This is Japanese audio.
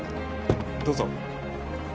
どうぞ。